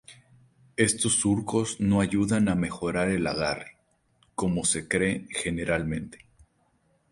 Estos surcos no ayudan a mejorar el agarre, como se cree generalmente.